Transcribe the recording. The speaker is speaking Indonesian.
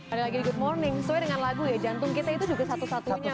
ada lagi good morning sesuai dengan lagu ya jantung kita itu juga satu satunya